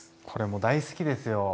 これも大好きですよ。